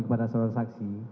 kepada saudara saksi